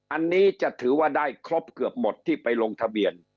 อันนี้จะถือว่าได้ครบเกือบหมดที่ไปลงทะเบียน